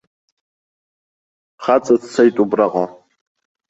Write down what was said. Хаҵа дцеит убраҟа.